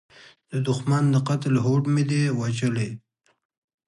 د دوښمن د قتل هوډ مې دی وژلی